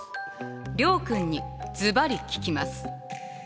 諒君にずばり聞きます。